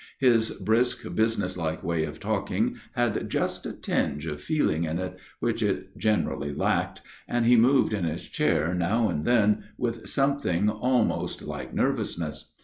His brisk business like way of talking had just a tinge of feeling in it which it generally lacked, and he moved in his chair now and then with something almost like nervousness.